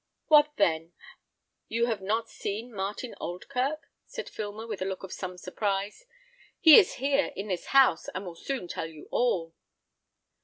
"What, then, you have not seen Martin Oldkirk?" said Filmer, with a look of some surprise. "He is here, in this house, and will soon tell you all."